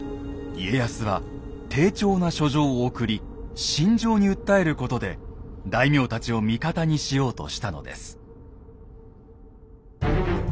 家康は丁重な書状を送り心情に訴えることで大名たちを味方にしようとしたのです。